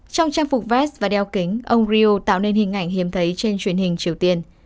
trong trang phục vest và đeo kính ông rio tạo nên hình ảnh hiếm thấy trên truyền hình triều tiên